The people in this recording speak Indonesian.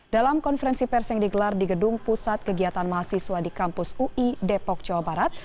dalam konferensi pers yang digelar di gedung pusat kegiatan mahasiswa di kampus ui depok jawa barat